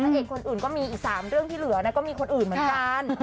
เอกคนอื่นก็มีอีก๓เรื่องที่เหลือนะก็มีคนอื่นเหมือนกัน